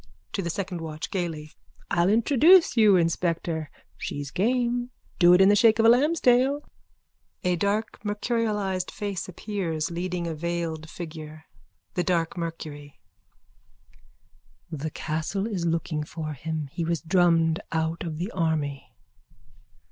(To the second watch gaily.) I'll introduce you, inspector. She's game. Do it in the shake of a lamb's tail. (A dark mercurialised face appears, leading a veiled figure.) THE DARK MERCURY: The Castle is looking for him. He was drummed out of the army.